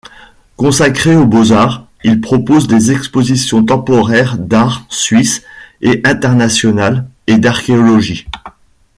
Consacré aux beaux-arts, il propose des expositions temporaires d'art suisse et international et d'archéologie.